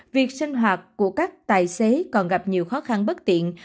việc sinh hoạt của các tài xế còn gặp nhiều khó khăn bất tiện